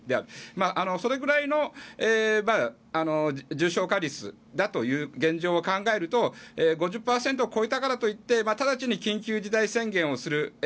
それぐらいの重症化率だという現状を考えると５０％を超えたからといってただちに緊急事態宣言をする。